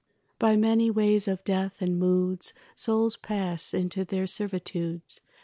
By many ways of death and moods Souls pass into their servitudes.